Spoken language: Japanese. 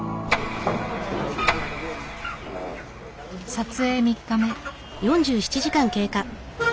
撮影３日目。